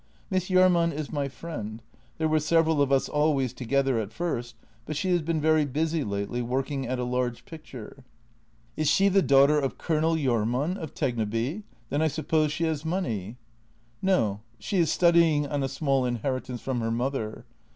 "Miss Jahrman is my friend — there were several of us al ways together at first, but she has been very busy lately working at a large picture." " Is she the daughter of Colonel Jahrman of Tegneby? Then I suppose she has money? "" No; she is studying on a small inheritance from her mother.